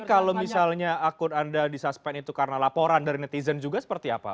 tapi kalau misalnya akun anda di suspend itu karena laporan dari netizen juga seperti apa